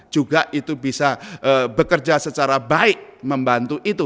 juga itu bisa bekerja secara baik membantu itu